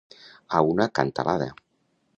A una cantalada.